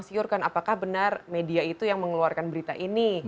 jadi kita harus mengajarkan apakah benar media itu yang mengeluarkan berita ini